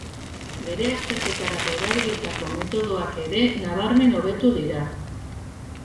Bere azterketarako erabilitako metodoak ere nabarmen hobetu dira.